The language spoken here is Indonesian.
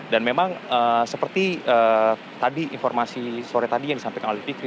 dan memang seperti tadi informasi sore tadi yang disampaikan oleh fikri